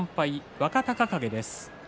若隆景です。